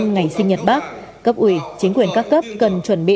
một trăm ba mươi năm ngày sinh nhật bác cấp ủy chính quyền các cấp cần chuẩn bị